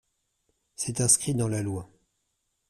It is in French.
C’est inscrit dans la loi.